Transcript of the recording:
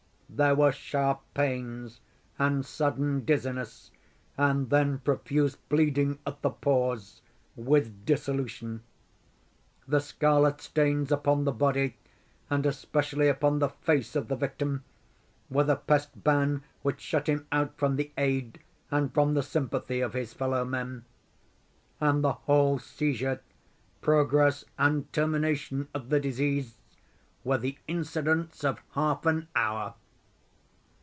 There were sharp pains, and sudden dizziness, and then profuse bleeding at the pores, with dissolution. The scarlet stains upon the body and especially upon the face of the victim, were the pest ban which shut him out from the aid and from the sympathy of his fellow men. And the whole seizure, progress and termination of the disease, were the incidents of half an hour.